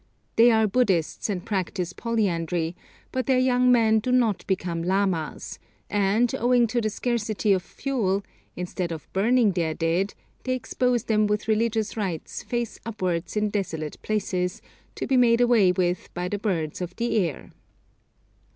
They are Buddhists, and practise polyandry, but their young men do not become lamas, and owing to the scarcity of fuel, instead of burning their dead, they expose them with religious rites face upwards in desolate places, to be made away with by the birds of the air.